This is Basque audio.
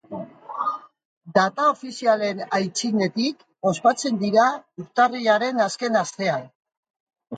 Data ofizialen aitzinetik ospatzen dira, urtarrilaren azken astean.